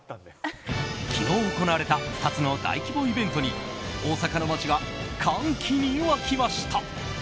昨日、行われた２つの大規模イベントに大阪の街が歓喜に沸きました。